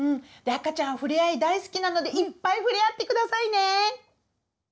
赤ちゃんふれあい大好きなのでいっぱいふれあってくださいね！